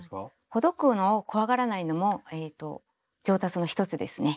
ほどくのを怖がらないのも上達の一つですね。